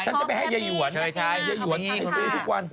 ฉันจะไปให้ยะหยวน